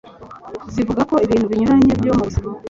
zivuga ku bintu binyuranye byo mu buzima